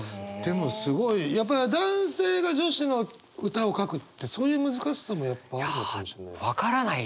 やっぱ男性が女子の歌を書くってそういう難しさもやっぱあるのかもしれない。